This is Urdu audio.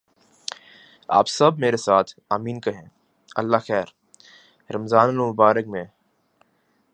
آپ سب میرے ساتھ "آمین" کہیں اللہ خیر! رمضان المبارک میں